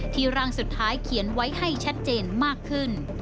ร่างสุดท้ายเขียนไว้ให้ชัดเจนมากขึ้น